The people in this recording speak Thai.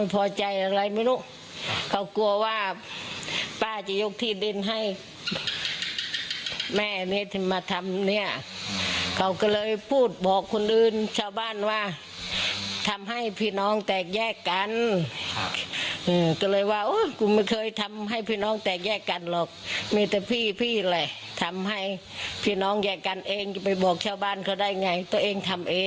พี่น้องแยกกันเองไปบอกเช่าบ้านเขาได้ไงตัวเองทำเอง